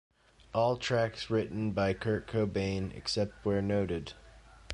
All tracks written by Kurt Cobain, except where noted.